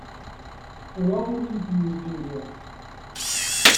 Wa ur iyi-d-yezgi mliḥ.